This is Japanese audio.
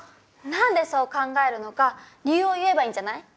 何でそう考えるのか理由を言えばいいんじゃない？